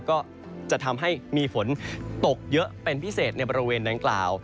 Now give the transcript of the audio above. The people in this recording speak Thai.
ก็จะทำให้มีฝนตกเยอะเป็นพิเศษในบริเวณดังกล่าว